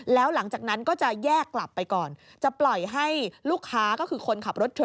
แล้วหลังจากนั้นก็จะแยกกลับไปก่อน